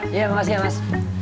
iya makasih ya mas